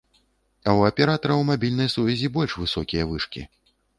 А ў аператараў мабільнай сувязі больш высокія вышкі.